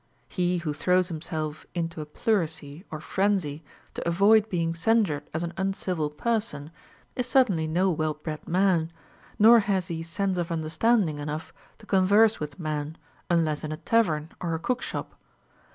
* He who throws himself into a pleurisy or frenzy, to avoid being censured as an uncivil person, is certainly no well bred man, nor has he sense of understandino enough to converse with men, unless in a tavern or a cook shop.